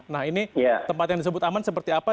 nah ini tempat yang disebut aman seperti apa